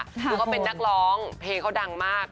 ที่เป็นนักร้องเค้าดังมาก